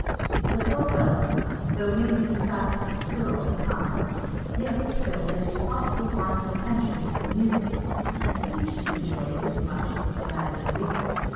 The poor fellow, though weaving as fast as he could all the time, yet bestowed every possible mark of attention to the music, and seemed to enjoy it as much as if it had been real.